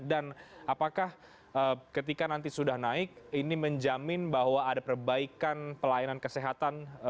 dan apakah ketika nanti sudah naik ini menjamin bahwa ada perbaikan pelayanan kesehatan